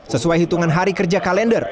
sesuai hitungan hari kerja kalender